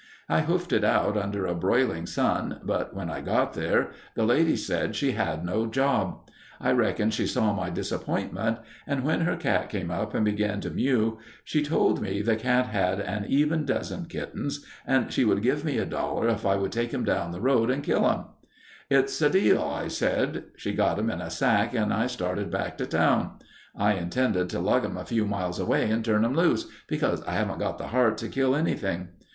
I hoofed it out under a broiling sun, but when I got there, the lady said she had no job. I reckon she saw my disappointment and when her cat came up and began to mew, she told me the cat had an even dozen kittens and she would give me a dollar if I would take 'em down the road and kill 'em. "'It's a deal,' I said. She got 'em in a sack and I started back to town. I intended to lug 'em a few miles away and turn 'em loose, because I haven't got the heart to kill anything.